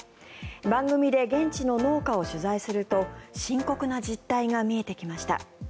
番組で現地の農家を取材すると深刻な実態が見えてきました。